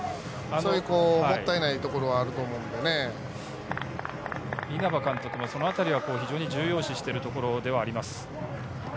もったいないところは稲葉監督もそのあたりを重要視しているところではあります。